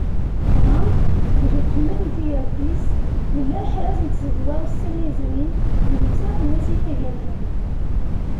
Dɣa, deg ukemmel n tigawt-is, yella uḥraz n tẓegwa ussan-a yezrin di lemsaq n wasif Ageryun.